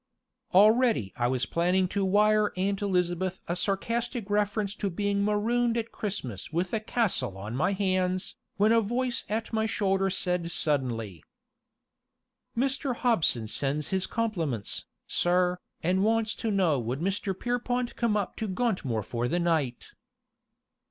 Already I was planning to wire Aunt Elizabeth a sarcastic reference to being marooned at Christmas with a castle on my hands, when a voice at my shoulder said suddenly: "Mr. Hobson sends his compliments, sir, and wants to know would Mr. Pierrepont come up to Gauntmoor for the night?"